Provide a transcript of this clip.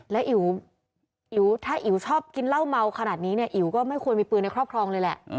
แล้วอิ๋วถ้าอิ๋วชอบกินเหล้าเมาขนาดนี้เนี่ยอิ๋วก็ไม่ควรมีปืนในครอบครองเลยแหละ